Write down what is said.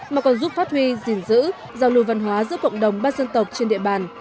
mà còn giúp phát huy gìn giữ giao lưu văn hóa giữa cộng đồng ba dân tộc trên địa bàn